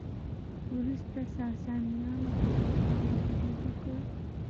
وروسته ساسانیانو په دې خاوره برید وکړ